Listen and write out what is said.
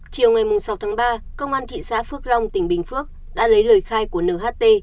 chiều ngày sáu tháng ba công an thị xã phước long tỉnh bình phước đã lấy lời khai của nht